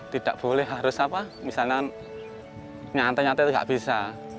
tidak boleh harus apa misalnya nyantai nyantai nggak bisa